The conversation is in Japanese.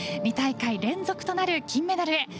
２大会連続となる金メダルへ。